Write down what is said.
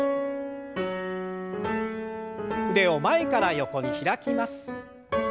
腕を前から横に開きます。